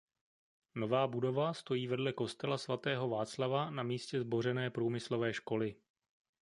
Nová budova stojí vedle kostela svatého Václava na místě zbořené průmyslové školy.